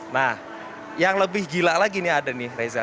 nah yang lebih gila lagi nih ada nih reza